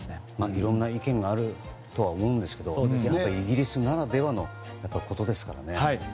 いろんな意見があるとは思いますがイギリスならではのことですからね。